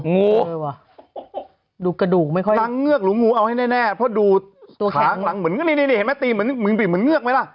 เอองูเหมือนกับดูขาขาหลังเหมือนเงือกไหมแหละ